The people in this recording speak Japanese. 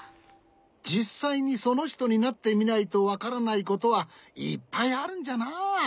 じっさいにそのひとになってみないとわからないことはいっぱいあるんじゃな。